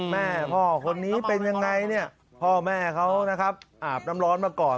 แม่พ่อคนนี้เป็นยังไงเนี่ยพ่อแม่เขานะครับอาบน้ำร้อนมาก่อน